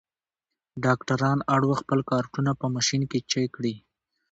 ډاکټران اړ وو خپل کارټونه په ماشین کې چک کړي.